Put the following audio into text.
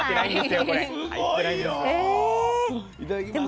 いただきます。